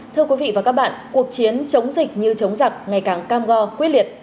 thưa quý vị và các bạn cuộc chiến chống dịch như chống giặc ngày càng cam go quyết liệt